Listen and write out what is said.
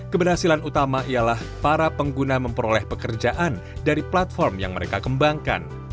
keberhasilan utama ialah para pengguna memperoleh pekerjaan dari platform yang mereka kembangkan